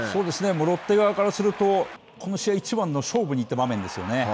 ロッテ側からすると、この試合いちばんの勝負に行った場面ですよね。